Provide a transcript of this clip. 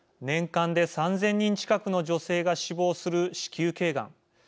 年間で３０００人近くの女性が死亡する子宮けいがん。